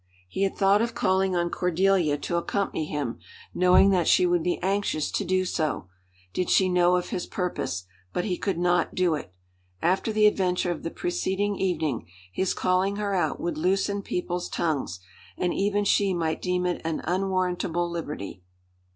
He had thought of calling on Cordelia to accompany him, knowing that she would be anxious to do so, did she know of his purpose, but he could not do it. After the adventure of the preceding evening, his calling her out would loosen people's tongues; and even she might deem it an unwarrantable liberty.